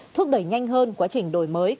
thúc đẩy nhanh hơn quá trình đổi mới